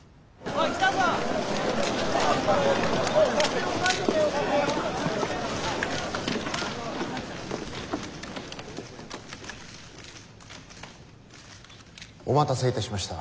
お待たせいたしました。